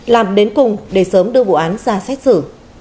làm đến cùng để sớm đưa vụ án ra xét xử